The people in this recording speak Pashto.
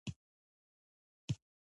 د تورو مرغانو ږغونه د یوازیتوب احساس ورکوي.